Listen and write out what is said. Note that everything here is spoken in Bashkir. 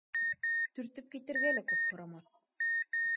Төртөп китергә лә күп һорамаҫ